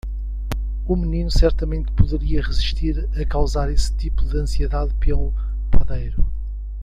O menino certamente poderia resistir a causar esse tipo de ansiedade pelo padeiro.